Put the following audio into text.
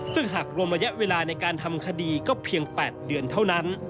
ซึ่งหากรวมระยะเวลาในการทำคดีก็เพียง๘เดือนเท่านั้น